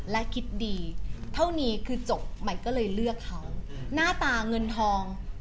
และคิดดีเท่านี้คือจบใหม่ก็เลยเลือกเขาหน้าตาเงินทอง